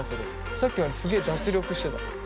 さっきまですげえ脱力してた。